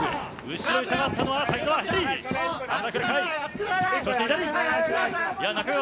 後ろへ下がったのは瀧澤。